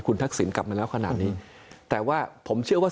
ทักษิณกลับมาแล้วขนาดนี้แต่ว่าผมเชื่อว่า